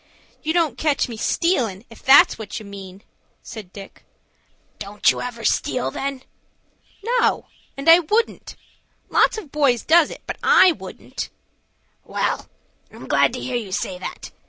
"You don't catch me stealin', if that's what you mean," said Dick. "Don't you ever steal, then?" "No, and I wouldn't. Lots of boys does it, but I wouldn't." "Well, I'm glad to hear you say that.